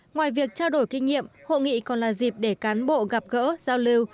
ngoài việc trao đổi kinh nghiệm hội nghị còn là dịp để cán bộ gặp gỡ giao lưu